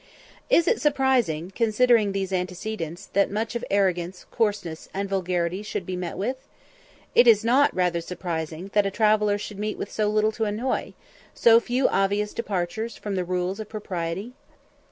Is it surprising, considering these antecedents, that much of arrogance, coarseness, and vulgarity should be met with? Is it not rather surprising, that a traveller should meet with so little to annoy so few obvious departures from the rules of propriety?